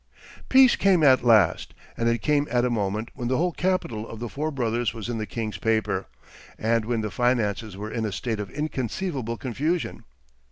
Peace came at last; and it came at a moment when the whole capital of the four brothers was in the king's paper, and when the finances were in a state of inconceivable confusion.